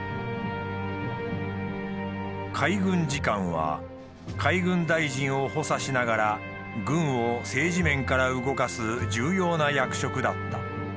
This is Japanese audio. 海軍次官は海軍大臣を補佐しながら軍を政治面から動かす重要な役職だった。